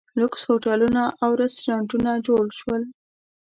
لوکس هوټلونه او ریسټورانټونه جوړ شول.